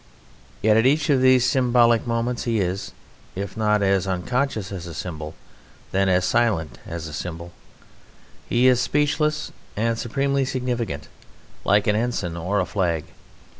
Yet at each of these symbolic moments he is, if not as unconscious as a symbol, then as silent as a symbol; he is speechless and supremely significant, like an ensign or a flag.